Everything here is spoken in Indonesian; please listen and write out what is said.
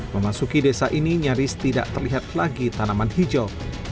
memasuki desa ini nyaris tidak terlihat lagi tanaman hijau